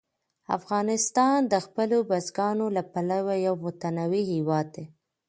افغانستان د خپلو بزګانو له پلوه یو متنوع هېواد دی.